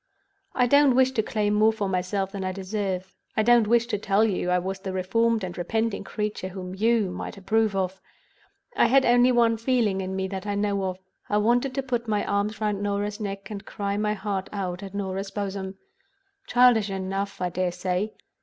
I don't wish to claim more for myself than I deserve; I don't wish to tell you I was the reformed and repenting creature whom you might have approved. I had only one feeling in me that I know of. I wanted to put my arms round Norah's neck, and cry my heart out on Norah's bosom. Childish enough, I dare say.